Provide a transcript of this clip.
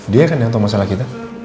dia kan yang tahu masalah kita